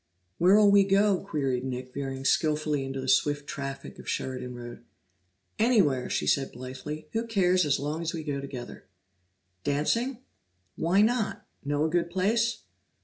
"Where'll we go?" queried Nick, veering skilfully into the swift traffic of Sheridan Road. "Anywhere!" she said blithely. "Who cares as long as we go together?" "Dancing?" "Why not? Know a good place?"